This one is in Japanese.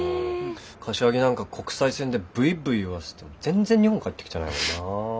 柏木なんか国際線でブイブイ言わして全然日本帰ってきてないもんなぁ。